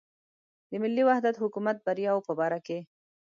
د ملي وحدت حکومت بریاوو په باره کې.